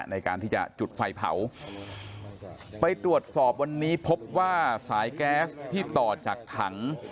ในการที่จะจุดไฟเผาไปตรวจสอบวันนี้พบว่าสายแก๊สที่ต่อจากถัง